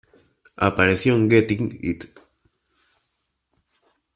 Apareció en "Getting It".